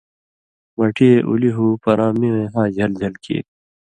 مٹی یے اُلی ہُو پراں می وَیں ہا ژھل ژھل کیر۔